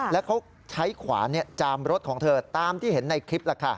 แล้วเขาใช้ขวานจามรถของเธอตามที่เห็นในคลิป